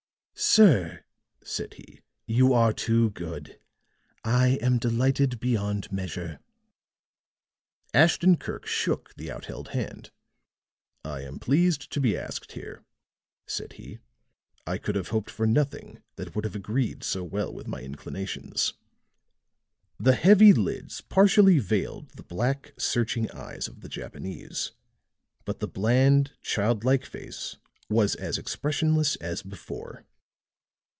"Sir," said he, "you are too good. I am delighted beyond measure." Ashton Kirk shook the outheld hand. "I am pleased to be asked here," said he. "I could have hoped for nothing that would have agreed so well with my inclinations." The heavy lids partially veiled the black searching eyes of the Japanese; but the bland, childlike face was as expressionless as before.